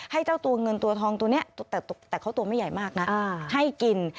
เจ้าตัวเงินตัวทองตัวนี้แต่เขาตัวไม่ใหญ่มากนะให้กิน